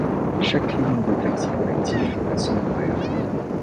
Chaque ligne de taxi collectif a son horaire.